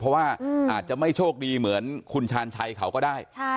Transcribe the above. เพราะว่าอาจจะไม่โชคดีเหมือนคุณชาญชัยเขาก็ได้